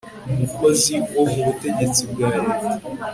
umukozi wo mu butegetsi bwa Leta